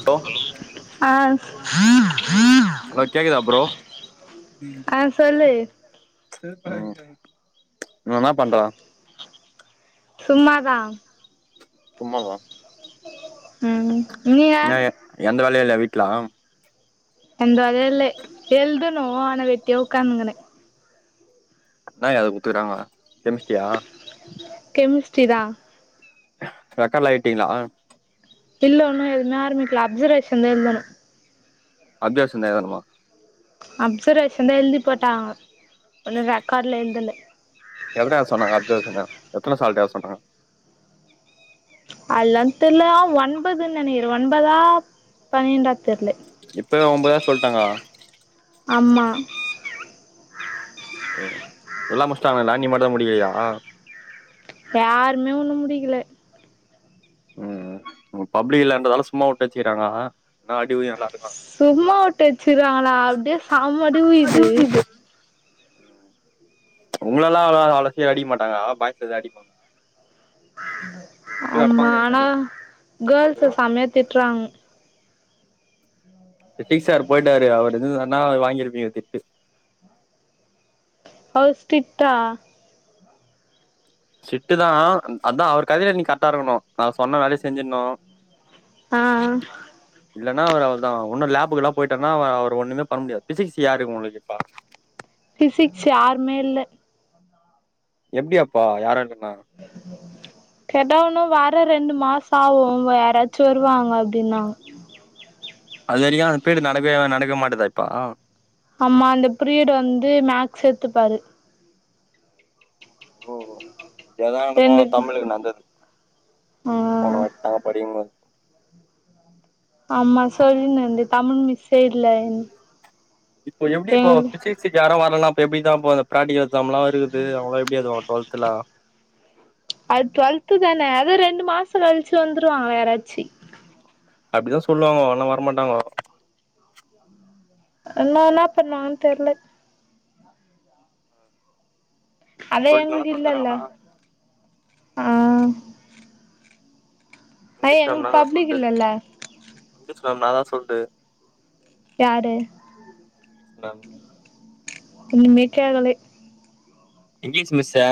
Hello ஆ hello கேக்குதா bro ஆ சொல்லு ஹோ என்னா பண்ற சும்மா தா சும்மாவா ம் நீங்க வீட்லாம் எந்த வேலயு இல்லே எழுதனு ஆன வெட்டியா உக்காந்துக்கினே என்ன எழுத குடுத்துக்கறாங்க கெமிஸ்ட்ரியா கெமிஸ்ட்ரிதா ரெக்காட்லா எழுட்டீங்களா இல்ல உன்னு எதுவுமே ஆரம்பிக்கல அப்சர்வேஷன் தான் எழுதனு அப்ஜவேஷன் எழுதனுமா அப்சர்வேஷன் தா எழுதி போட்டாங்க ஒன்னு ரெக்கார்ட்லா எழுதல எழுத யார் சொன்னாங்க அப்ஜவேனு எத்தனை சால்ட்டு எழுத சொன்னாங்க அல்லாந் தெர்ல ஒன்பதுன்னு நெனைக்கிறே ஒன்பதா பன்னெண்டாத் தெர்ல இப்பவே ஒன்பதாவது சொல்ட்டாங்க ஆம்மா எல்லா முடிச்டாங்ல்லா நீ மட்டு தா முடிக்கிலியாமா யாருமே உண்ணு முடிக்கல ம் பப்ளிக் இல்லன்றதால சும்மா வுட்டுவச்சுகிறாங்க என்னா அடிவுலு நல்லா சும்மா வுட்டு வச்சிருக்காங்ளா அப்டியே செம்ம அடி விழுது உங்களெல்லா அவ்வள அவ்ள சீக்கர அடிக்க மாட்டாங்க பாய்ஸை தா அடிப் ஆமா ஆனா கேர்ள்ஸ செமையா திட்றாங் பிசிக்ஸ் சார் போயிட்டாரு அவர் இருந்திருந்தார்னா வாங்கிருப்பீங்க திட்டு அவரு ஸ்ட்ருட்டா ஸ்ட்ரிட்டு தா அதா அவர் கதையில நீ கரெக்டா இருக்கணு நா சொன்ன வேலைய செஞ்சிட்ணு அ இல்லனா அவர் அவ்ளதா ஒன்னு லேபுக்கு எல்லா போயிட்டனா அவ அவர் ஒண்ணுமே பண்ண முடியாது பிசிக்ஸ் யாரு உங்களுக்கு இப்ப பிசிக்ஸ் யாருமே இல்ல எப்படி அப்போ யாரா கேட்டா ஒன்னு வா ன்னு ரெண்டு மாச ஆகு யாராச்சு வருவாங்க அப்படின்னாங்க அது வரைக்கு அந்த பீரிடு நடக்கவே நடக்க மாட்டேதா இப்போ ஆமா அந்த பீரியடு வந்து மேக்ஸ் எடுத்துப்பாரு ஓ எத எனக்கு ரெண்டு தமிழுக்கு நடந்துது ஆ போனவாட்டி நாங்க படிக்கும்போ ஆமா சொல்லின் தமிழ் மிஸ்சே இல்லன் இப்போ எப்படி இப்போ பிசிக்ஸ்க்கு யாரு வரலனா இப்ப எப்படிதா அந்த பிராக்டிகல் எக்ஸாம்ல்லா வருது அவுங்கல்லா எப்டி எழுதுவாங்க டுவெல்த்லா அது டுவெல்து தான அது ரெண்டு மாசம் கழிச்சி வந்துருவாங்க யாராச்சி அப்படிதா சொல்லுவாங்கோ ஆனா வரமாட்டாங்கோ என்ன என்ன பண்ணுவாங்கன் தெர்ல அதே சொல்லி எங்க நல்லா சொல்லி வீட்ல இல்ல தராங்களா அ அய் இங்கிலீஷ் எங்களுக் பப்ளிக் இல்லல்ல என்னதா சொல்ட்டு யாரு [unintelligible] இனிமேக்கே ஆகலே இங்கிலீஷ் மிஸ்சா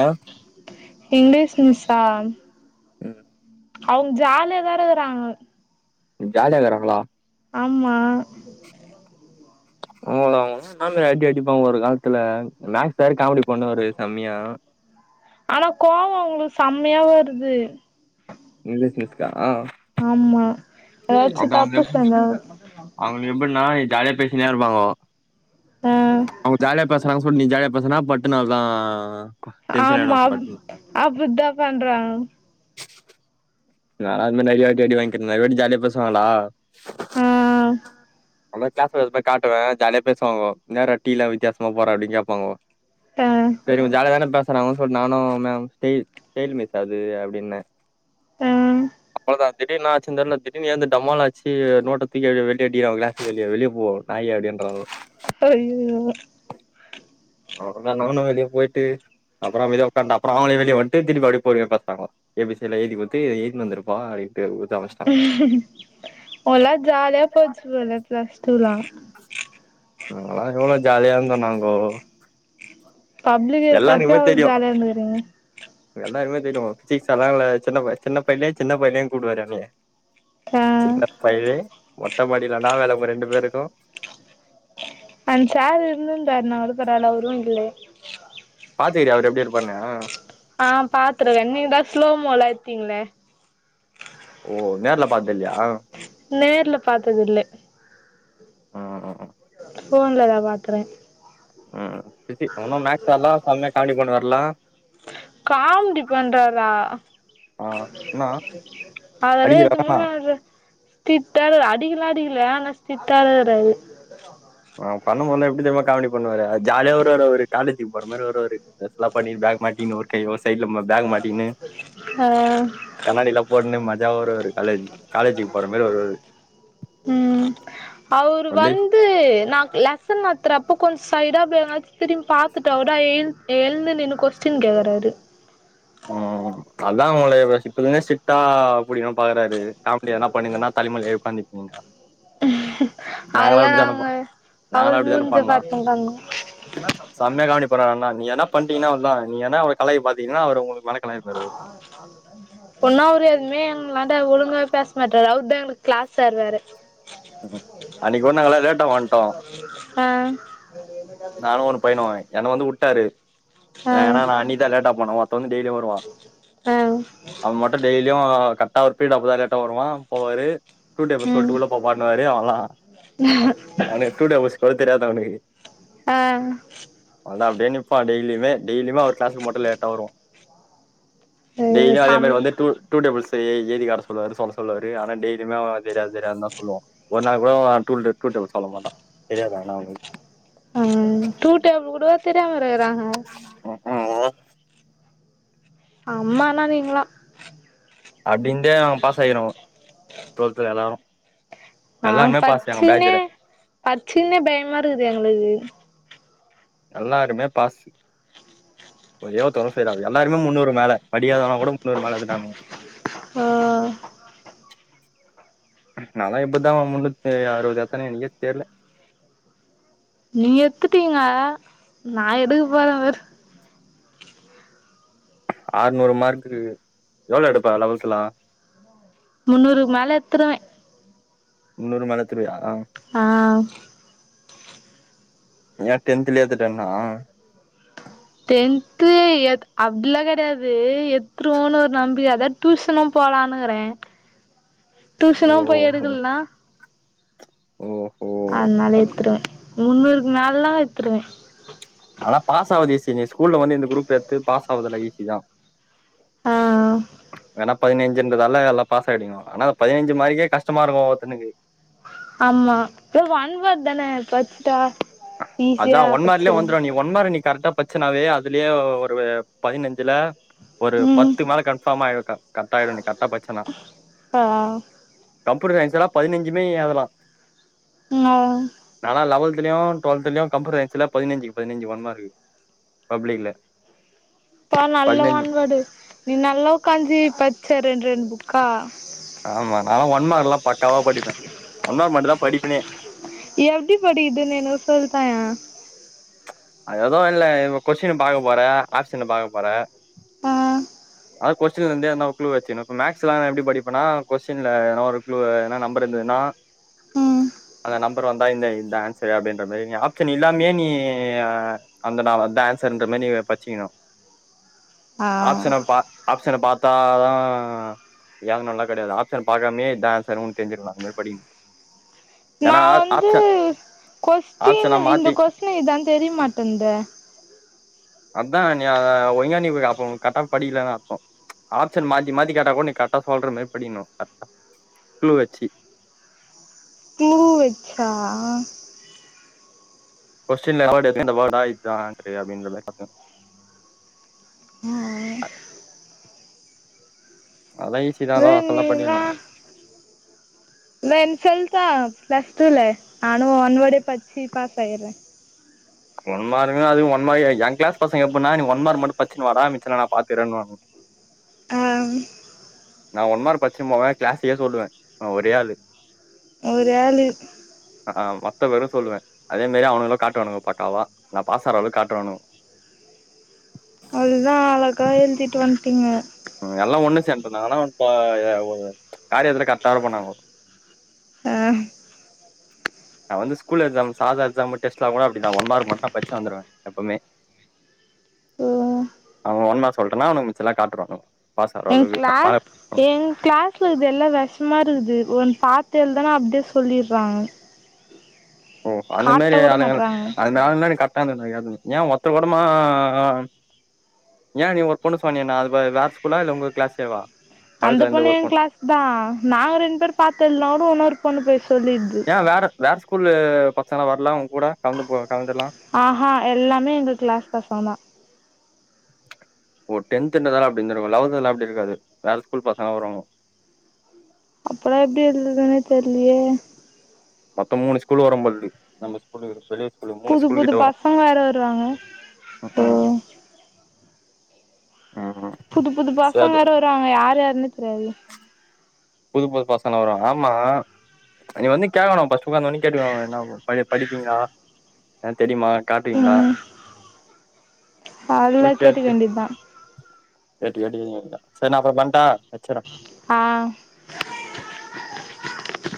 இங்கிலீஷ் மிஸ்சா ம் அவுங் ஜாலிய தா இருக்கறாங்க ஜாலியா இருக்கறாங்ளா ஆமா அவுங்க அவுங் என்ன மாரி அடி அடிப்பாங்க ஒரு காலத்துல மேக்ஸ் சார் காமெடி பண்ணுவாரு செமையா ஆனா கோவ அவங்ளுக்கு செமையா வருது இங்கிலீஷ் மிஸ்கா ஆமா ஏதாச்சு தப்பு செஞ்சாதா அவுங்க எப்டினா ஜாலியா பேசிக்கினே இருப்பாங்கோ ஆ அவுங்க ஜாலியா பேசுறாங்க நீ ஜாலிய பேசுனா பட்டுன்னு அவ்ளவுதா ஆமா அப்டிதா பண்றாங்க நா இந்தமாரி நெறையாவாட்டி அடி வாங்கிக்கிறே நெறைவாட்டி ஜாலியா பேசுவாங்ளா அ மொதல்ல கிளாஸ் ஒர்க் காட்டுவே ஜாலியா பேசுவாங்கோ என்னடா டீ எல்லா வித்தியாசமா போற அப்படின்னு கேப்பாங்கோ ஆ சேரி இவுங்க ஜாலியா தானே பே சுறாங்க சொல் நானு மேம் ஸ்டைல் ஸ்டைல் மிஸ்சு அது அபடின்னே ஆ அப்போதா திடீர் என்னாச்சி தெர்ல திடீன்னு ஏந்து டமால் அடிச்சி நோட்ட தூக்கி [unintelligible] வெளிய போ நாயே அப்டின்றாங்கோ அய்யியோ அவ்ளோதா நானு வெளிய போய்ட்டு அப்றோ அமைதியா உக்காந்தப்பறோ அவுங்களே வெளிய வன்ட்டு திரும் அப்டே பொருமயா பாத்தாங்கோ ஏ பி சி லா எழ்தி குத்து எய்தின் வந்துருப்பா அப்டின் உங்கல்லா ஜால்யா போச்சிப் போல ப்ளஸ்டூலா நாங்களா எவ்ளோ ஜாலியார்ந்தோ நாங்கோ பப்ளிக் இருக்கப்யே அவ்ள் ஜாலியா இந்துக்குறிங்க என்ன எல்லாருக்மே தெரியு ஃபிசிக்ஸ் சார்லா என்ன சின்ன பை சின்ன பைனே சின்ன பைனேனு கூப்டுவாரு எனய ஆ சின்ன பயலே மொட்ட மாடியில இன்னா வேல உங்க ரெண்டு பேருக்கு அந் சார் இர்ந்துந்தார்னா கூட பரவால அவுரு இல்லே பாத்துக்குறியா அவ்ரு எப்டி இர்ப்பார்னு ஆ பாத்துருக்க நீங்தா ஸ்லோமோலா எத்திங்ளே ஓ நேர்ல பாத்தில்யா நேர்ல பாத்ததில்ல அ அ அ ஃபோன்லதா பாத்றே ம் பிசி உன்னு மேக்ஸ் சார்லா செம்யா காம்ன்டி பண்வார்ல காம்டிப் பண்றாரா ஆ என்னா அதல்லா எதுமே அடிக்கிறானா வராது ஸ்டிட்டாரு அடிக்கிலா அடிக்கிலா ஆனா ஸ்டிட்டாருக்குறாறு நா பண்ணு போத்லா எப்டி தெரிமா காமடி பண்ணுவாரு ஜாலியா வருவாரு அவுரு காலேஜிக் போற மாறி வருவாரு ட்ரெஸ் லா பண்ணி பேக் மாட்டி இன்னோர் கை ஒர் சைட்ல மக் பேகு மாட்டிகினு ஆ கண்ணாடிலா போட்ன்னு மஜாவ வருவாரு காலேஜ் காலேஜிக் போற மாறி வர்வாரு ம் அவுரு வந்து நா லெசன் நட்த்துறப்ப கொஞ் சைடா அப்டே எங்னாச் திரும் பாத்துட்டா கூட எல் எல்ந்து நின்னு கொஸ்டின் கேக் கறாரு ம் அதா உங்கள இப சிப் இப்பத்லுனே ஸ்டிட்டா புடிகணு பாக்றாரு காம்டி எத்னா பண்ணிந்தனா தலிமேல உக்காந்துப்பிங்க அத்லா நாங்க அவுரு மூஞ்ச பாத்னு [unintelligible] செம்யா கவ்னிப்பாரு அதல்லா நீ எத்னா பண்டீனா அவ்ள்தா நீ என்னா அவுர கலாய்க பாத்திங்னா அவுரு உங்கு உன்னோ அவுரு எத்மே எங்லான் ட ஒழுங்காவே பேஸ் மாட்டாரு அவுர் தா எங்ளுக் க்ளாஸ் சார் வேற ம் அன்னைக்கு கூட நாங்கல்லா லேட்டா வந்ட்டோம் அ நானு ஒனு பையனு என்ன வந்து உட்டாரு ஆ ஏனா நா அன்னிக்தா லேட்டா போனோ ஒர்த்த வந்து டெய்லியு வருவா ஆ அவ் மட்டு டெய்லியு கர்ட்டா அவ்ரு பீரிடப்தா லேட்டா வருவா போவாரு டூ டேபுள் ம் சொல்ட்டு உள்ள போப்பான்னுவாரு அவன்லா அவ்னுக் டூ டேபுள்ஸ் கூட தெரியாது அவ்னுக்கு அ வந்து அப்டே நிப்பா டெய்லியுமே டெய்லியுமே அவ்ரு க்ளாஸ்க்கு மட்டு லேட்டா வருவா டெய்ல்யூ அதே சம் மாறி வந்து டு டூ டேபுள்ஸ் எய் எய்தி காட்ட சொல்வாரு சொல்ல சொல்வாருா ஆனா டெய்லியுமே அவ தெர்யாது தெர்யாதுன் தா சொல்லுவா ஒர் நாள் கூட அவ டூ டே டூ டேபுள் சொல்ல மாட்டா தெர்யாதானா அவ்னுக் ஆ டூ டேபிள் கூடவா தெர்யாம இருக்குறாங்க ஆமா அம்மான்னா நீங்ளா அப்டின்ந்தே அவ பாஸ் ஆய்கிறோ டொல்துல எல்லாரு நாங் எல்லாருமே பாஸ் எங்க பச்சினே பேட்ஜ்ல பச்சினே பேய்மாருக்குது எங்ளுக்கு எல்லாருமே பாஸு ஒர்ரே ஒர்த்தங்கூட ஃபெயில் ஆவ்ல எல்லாருமே முன்னூறு மேல படிக்காதவ கூட முன்னூறு மேல எடுத்துட்டானுங் ஓ நாலா எப்பித்தா முன்னுத்தி அறுவது ஏத்தேனே எனக்கே தெர்ல நீங்க எத்துட்டீங்க நா எடுக்க போறே வேற ஆறுநூறு மார்குக்கு எவ்ள எடுப்ப லெவல்த்துலா முன்னூறுக்கு மேல எத்துருவ முன்னூறு மேல எடுத்துருவியா ஆ ஏ டென்த்லேயே ஏத்துட்டேனா டென்து எ அப்டிலா கெடையாது எத்துருவோன்னு ஒரு நம்பிக்க அதா டியூசன்லா போ போலான்னுக்றே டியூஷனு போய் ஓ எடுக்கலனா ஓஹோ அதனால எத்துருவே முன்னூறுக்கு மேலனா எத்துடுவே ஆனா பாஸ் ஆவது ஈசி நீ ஸ்கூல்ல வந்து இந்த குரூப் எடுத்து பாஸ் ஆகுறதுல்லா ஈசி தா ஆ ஆ ஆனா பதினஞ்சுன்றதால எல்லா பாஸ் ஆடுவிங்க ஆனா பதினஞ்சு மார்க்கே கஷ்டமா இருக்கு ஒவ்வொருத்தனுக்கு ஆமா ஒ ஒன் வோர்ட் தானே பச்ட்டா அதா ஒன் மார்லயே வந்துரு நீ ஒன்மார் நீ கரெக்டா பச்செனாவே அதுலயே ஒரு பதினஞ்சுல ஒரு ம் பத்து மேல கன்ஃபார்மா ஆயிடு க கரத்த ஆயிடும் நீ கரட்டா பச்சனா ஆ அப்பற ஏக்சுலா பதினஞ்சுமே எழுதலா ஆ டென்துலயு டுவெல்துலையு கம்ப்யூட்டர் சயின்ஸ்ல பதினஞ்சுக்கு பதினஞ்சு ஒன் மார்க்கு பப்ளிக்ல அப்ப நல்ல பதினஞ்சு ஒன் வார்டு நீ நல்லா உக்காஞ்சி பச்செ ரெண் ரெண் புக்கா ஆமா நா ஒன் மார்க்ல்லா பக்காவா படிப்பே ஒன் மார்க் மட்டு தா படிப்பேனே எப்டி படிக்கதுன்னு எனக்கு சொல்தாயே அது எதவு இல்ல இ கொஷின்ன பாக்க போற ஆப்ஷன்ன பாக்கபோற ஆ அ கொஸ்டின்ல இருந்தே எதனா ஒரு குழு வச்சு இப்ப மேக்ஸ்லா எப்டி படிப்பனா கொஷின்ல எதனா ஒரு க்ளுவு எதனா நம்பர் இருந்ததுன்னா ம் அந்த நம்பர் வந்தா இந்தா இதுதா ஆன்ஸரு அப்டின்ற மாரி நீ ஆப்ஷன் இல்லாமயே நீ நீயே அந்ததா அதா ஆன்சருன்ற மாரி பச்சிக்கணு ஆ ஆப்ஷன பா ஆப்ஷன பத்தாதா ஏதுனோலா கெடையாது ஆப்ஷன் பாக்காமேயே இதா ஆன்சருன் ஒனக்கு தெரிஞ்சிட்லா ஒன்னுமே படி நா வந்து கொஸ்டின் ஆப்ஷன இந்த மாத்தி கொஸ்டின் இது ஆன் தெரியமாட்டேந்தே அதா நீ ஒழிங்கா நீ அப்ப கட்டா படிகலன்னு அர்த்தோ ஆப்ஷன் மாத்தி மாத்தி கேட்டா கூட நீ கரெக்டா சொல்ற மாரி படிக்ணு கரெக்டா க்ளூ வெச்சு க்ளூ வெச்சா கொஸ்டின்ல இந்த வேர்டு இருக்குனா இந்த வேர்டா இத்தா ஆன்சரு அப்டின்ற மாரி பாக்கனு ஆ அதெல்லா ஈஸிதா ஏ அதெல்லா நீ அசால்டா இல்லா பண்ணிடலா வேன் சொல்டா பிளஸ்டூல நானு ஒன் வேடே பச்சி பாஸ் ஆயிட்றே ஒன் மார்க்னா அதுவு ஒன் மார்க் எ ஏ கிளாஸ் பசங்க எப்பிட்னா நீ ஒன் மட்டு பச்சுனு வாடா மிச்சத நா பாத்துக்குரேனுவாங்க ஆ நா ஒன் மார்க் பச்சுனு போனா க்ளாஸுக்கேயே சொல்லுவே நா ஒரே ஆளு எ பெரிய ஆழு ஆ மொத்த பேரு சொல்லுவே அதே மாரி அவனுங்களு காட்டுவானுங்க பக்காவா நா பாஸ் ஆற அளவுக் காட்டுவானுங்க அவ்ளோதா அழகா எழுதிட்டு வந்ட்டீங்க. ம் எல்லா ஒன்னு சேந்ட்டனால ஒன் ப்ப காரியத்துல கரக்டா இருப்போ நாங்கோ ஆ நா வந்து ஸ்கூல் எக்ஸாம் சாதா எக்ஸாம் டெஸ்ட்லா கூட அப்படிதா ஒன் மார்க் மட்டு படிச்சு வந்துருவே எப்பமே ஓ அவ ஒன் மார்க் சொல்டனா அவனுக் மிச்சல்லா காட்டுறுவாங்க. எங் கிளாஸ் எங் கிளாஸ்ல இருக்கறது எல்லா வெஷமா இரு க்குது ஒன் பாத்து எழுதானா அப்டே சொல்லிடுறாங் ஓ அந்த மேரி ஆளுங்களா மாட்றாங்க அந்த ஆள்தா எனக் கரெக்ட் டா [unintelligible] ஏ ஒர்த்தர் கொடமா யா நீ ஒரு பொண்ணு சொன்னியே நா அது வே வேற ஸ்கூலா இல்ல உங்க கிளாஸ்ஸேவா அந்த பொண்ணு என் கிளாஸ்தா நாங்க ரெண்டு பேர் பாத்து எழுதானா ஓடோ இன்னோரு பொண்ணு போய் சொல்லிடுது யா வேற வேற ஸ்கூலு பசங்கலா வர்ல உங் ஆஹா எல்லாமே எங்க கிளாஸ் பசங்கதா ஓ டென்த்துன்றதால அப்டி இருந்திருக்கு லெவல்த்ல அப்டி இருக்காது வேற ஸ்கூல் பசங்க வருவாங்கோ அப்பலா எப்டி எழுததுனே தெர்லியே மத்த மூணு ஸ்கூல் வரம்பொழுது நம்ப ஸ்கூலு பெரிய புது புது பசங்க வேற வருவாங்க சோ ம் ம் புது புது பசங்க சரி வேற வருவாங்க யாரு யாருனே தெரியாது. புது புது பசங்களா வருவாங்க ஆமா நீங்க வந்து கேக்கணு ஃபஸ்ட் உக்காந்தோன்னே கேட்டுகணு ப படிப்பீங்களா எல் தெரியுமா காட்டுவீங்ளா ம் ஓகே அதெல்லா [unintelligible] கேட்டுக்க கேட்டு வேண்டியதுதா கேட்டு எழுதிக வேண்டிதா சர் நா அப்பறோ பண்ட்டா வச்சுற ஆ